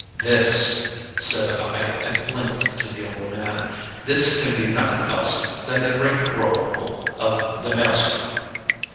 "This," said I at length to the old man "this can be nothing else than the great whirlpool of the Maelström."